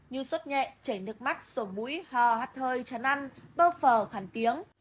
như sốt nhẹ chảy nước mắt sổ bũi hoa hắt hơi chán ăn bơ phở khản tiếng